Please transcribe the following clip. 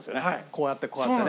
こうやってこうやってね。